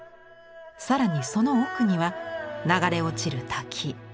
更にその奥には流れ落ちる滝。